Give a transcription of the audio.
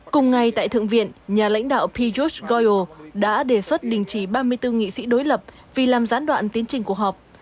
cùng ngày tại thượng viện nhà lãnh đạo pijust goio đã đề xuất đình chỉ ba mươi bốn nghị sĩ đối lập vì làm gián đoạn tiến trình cuộc họp